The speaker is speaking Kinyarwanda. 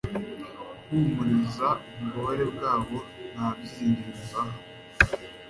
guhumuriza ububabare bwabo nta byiringiro bibaha